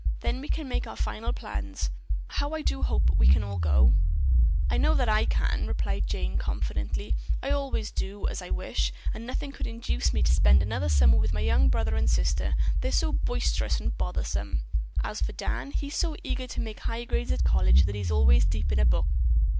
Then we can make our final plans. How I do hope that we can all go." "I know that I can," Jane replied confidently. "I always do as I wish, and nothing could induce me to spend another summer with my young brother and sister. They're so boisterous and bothersome. As for Dan, he's so eager to make high grades at college that he always is deep in a book."